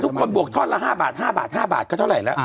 บวกท่อนละ๕บาท๕บาท๕บาทก็เท่าไหร่แล้ว